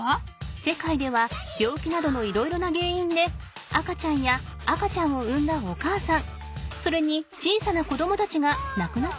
世界では病気などの色々なげんいんで赤ちゃんや赤ちゃんをうんだお母さんそれに小さなこどもたちがなくなってしまうことがあるの。